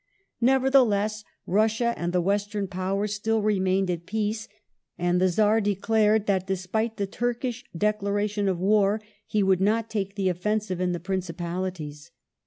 Nevertheless, Russia and the Western Powers still remained at peace, and the Czar declared that, despite the Turkish declaration of war, he would not take the offensive in the Principalities.